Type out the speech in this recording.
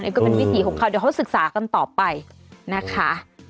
ก็เป็นวิถีของเขาเดี๋ยวเขาศึกษากันต่อไปนะคะ